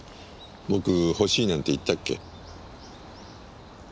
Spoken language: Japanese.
僕欲しいなんて言ったっけ？